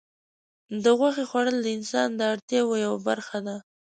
د غوښې خوړل د انسان د اړتیاوو یوه برخه ده.